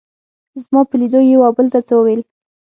زما په لیدو یې یو او بل ته څه وویل.